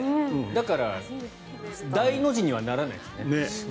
だから大の字にはならないですね。